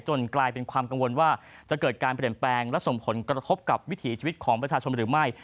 กลายเป็นความกังวลว่าจะเกิดการเปลี่ยนแปลงและส่งผลกระทบกับวิถีชีวิตของประชาชนหรือไม่